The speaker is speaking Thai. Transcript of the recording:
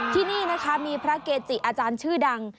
ที่นี่นะคะมีพระเกจิอาจารย์ชื่อดัง